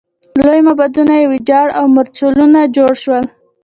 لوی معبدونه یې ویجاړ او مورچلونه جوړ شول.